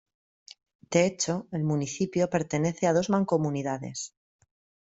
De hecho, el municipio pertenece a dos mancomunidades.